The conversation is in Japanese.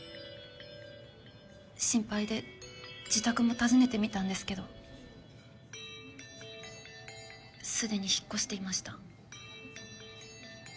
心配で自宅も訪ねてみたんですけどすでに引っ越していました。